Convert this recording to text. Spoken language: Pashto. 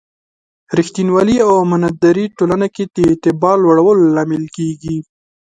ریښتینولي او امانتداري ټولنې کې د اعتبار لوړولو لامل کېږي.